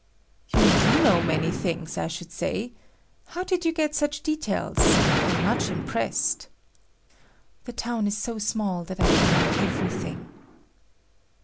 "You do know many things, I should say. How did you get such details? I'm much impressed." "The town is so small that I can know everything."